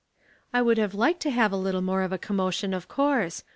'' I would have liked a little more of a commo tion, of course.